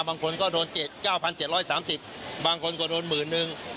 บางคนก็โดนเจ็ดเก้าพันเจ็ดร้อยสามสิบบางคนก็โดนหมื่นหนึ่ง